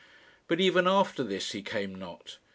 But even after this he came not.